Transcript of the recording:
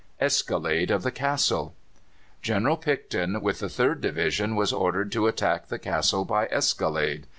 ESCALADE OF THE CASTLE. General Picton with the Third Division was ordered to attack the castle by escalade.